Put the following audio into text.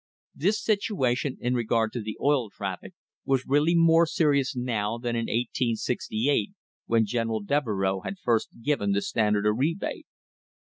This situation in regard to the oil traffic was really more serious now than in 1868 when General! Devereux had first given the Standard a rebate.